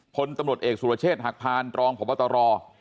พลตำรวจเอกสุรเชษฐ์หักพานรองพบตร